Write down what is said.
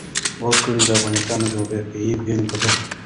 وګړي د افغانستان د جغرافیې بېلګه ده.